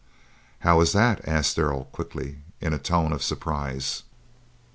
"How is that?" Darrell asked quickly, in a tone of surprise.